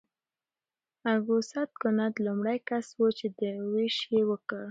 اګوست کنت لومړی کس و چې دا ویش یې وکړ.